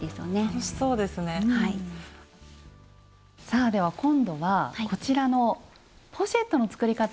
さあでは今度はこちらのポシェットの作り方